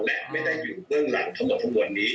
และไม่ได้อยู่เบื้องหลังทั้งหมดทั้งมวลนี้